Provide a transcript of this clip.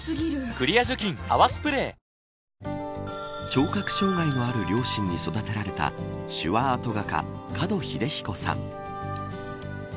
聴覚障害のある両親に育てられた手話アート画家門秀彦さん。